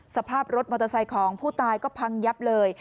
สภาพรถมอเตอร์ไซค์ของผู้ตายก็พังยับเลย